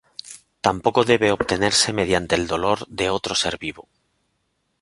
Tampoco debe obtenerse mediante el dolor de otro ser vivo.